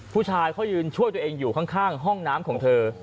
ผู้ชายเขายืนช่วยตัวเองอยู่ข้างห้องน้ำของเธอ